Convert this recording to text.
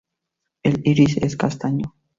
El iris es castaño.